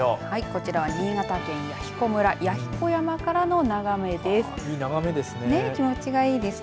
こちらは、新潟県弥彦村弥彦山からの眺めです。